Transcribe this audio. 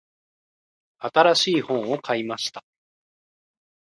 新しい本を買いました。